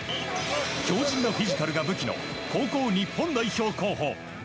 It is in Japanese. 強靭なフィジカルが武器の高校日本代表候補。